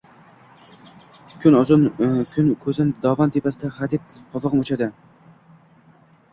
Kun-uzun kun koʼzim dovon tepasida, hadeb qovogʼim uchadi.